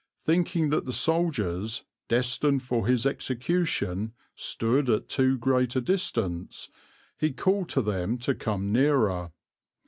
Thinking that the soldiers, destined for his execution, stood at too great a distance, he called to them to come nearer.